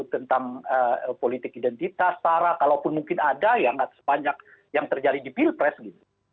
tentang politik identitas sarah kalaupun mungkin ada ya nggak sebanyak yang terjadi di pilpres gitu